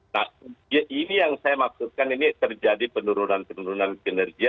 nah ini yang saya maksudkan ini terjadi penurunan penurunan kinerja